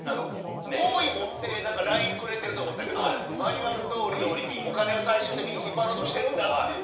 好意を持ってＬＩＮＥをくれていると思ってたけどマニュアルどおりにお金を最終的に引っ張ろうとしてるんだという。